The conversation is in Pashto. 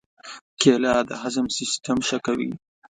کېله د هضم سیستم ښه کوي.